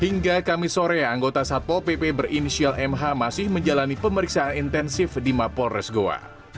hingga kamis sore anggota satpol pp berinisial mh masih menjalani pemeriksaan intensif di mapolres goa